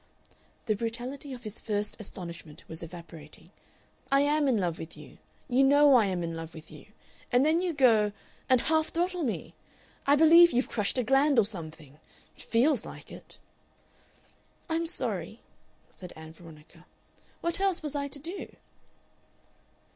The brutality of his first astonishment was evaporating. "I am in love with you. You know I am in love with you. And then you go and half throttle me.... I believe you've crushed a gland or something. It feels like it." "I am sorry," said Ann Veronica. "What else was I to do?"